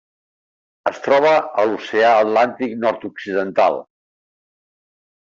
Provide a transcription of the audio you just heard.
Es troba a l'Oceà Atlàntic nord-occidental.